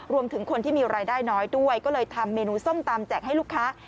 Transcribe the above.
รวมถึงคนที่มีรายได้น้อยด้วยก็เลยทำเมนูส้มตำแจกให้ลูกค้า